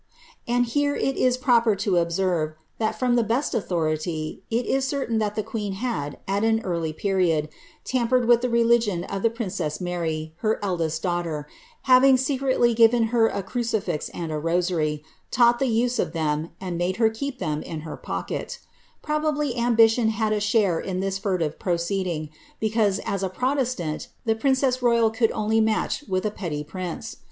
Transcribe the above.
And here it is proper to observe, that from the best authority,* it is certain that the queen had, at an early period, tampered with the religion of the princess Mary, her eldest daughter, having se cretly given her a crucifix and a rosar>', taught the use of them, and made her keep them in her pocket Probably ambition had a share in this furtive proceeding, because, as a protestant^ the princess royal could only match with a petty prince.